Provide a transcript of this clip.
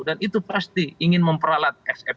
dan itu pasti ingin memperalat